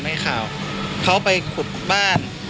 ก็ไม่ใช่เจ้า